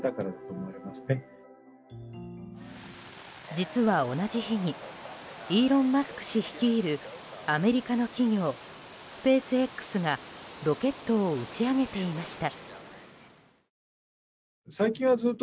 実は同じ日にイーロン・マスク氏率いるアメリカの企業、スペースＸがロケットを打ち上げていました。